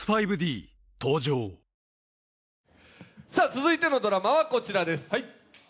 続いてのドラマはこちらです。